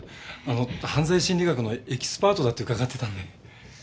犯罪心理学のエキスパートだって伺ってたんで。